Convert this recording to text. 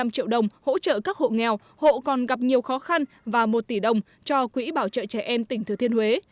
ba trăm hai mươi năm triệu đồng hỗ trợ các hộ nghèo hộ còn gặp nhiều khó khăn và một tỷ đồng cho quỹ bảo trợ trẻ em tỉnh thừa thiên huế